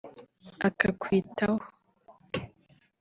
akakwitaho